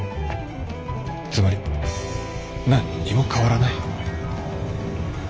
つまり何にも変わらない。